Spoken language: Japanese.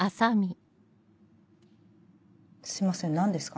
すいません何ですか？